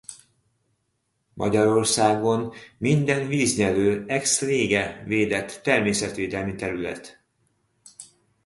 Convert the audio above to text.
Magyarországon minden víznyelő ex lege védett természetvédelmi terület.